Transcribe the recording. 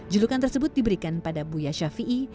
julukan tersebut diberikan pada buya shafi'i